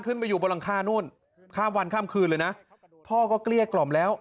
ไปอยู่บนหลังคานู่นข้ามวันข้ามคืนเลยนะพ่อก็เกลี้ยกล่อมแล้ว